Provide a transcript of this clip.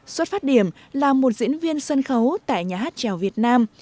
xuất phát điểm là một diễn viên sân khấu tại nhà hát trèo việt nam